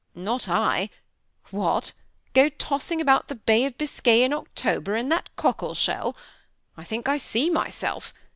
" Not I ; what ! go tos^ng about the Bay of Biscay in October in that cockle shell ! I thibk I see myself.